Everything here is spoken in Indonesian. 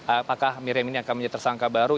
apakah miriam ini akan menjadi tersangka baru